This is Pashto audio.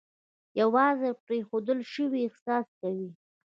یوازې پرېښودل شوی احساس کوي.